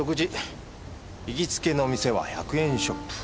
行きつけの店は１００円ショップ。